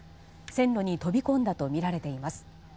線路に飛び込んだとみられています。